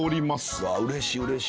うわうれしいうれしい。